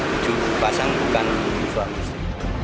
tujuh pasang bukan suami istri